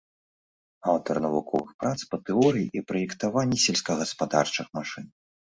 Аўтар навуковых прац па тэорыі і праектаванні сельскагаспадарчых машын.